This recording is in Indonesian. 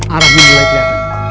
arahnya mulai kelihatan